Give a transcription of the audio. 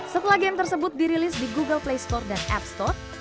setelah game tersebut dirilis di google playstore dan appstore